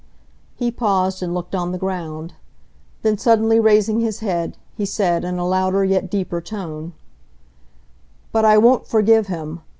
He paused and looked on the ground. Then suddenly raising his head, he said, in a louder yet deeper tone: "But I won't forgive him!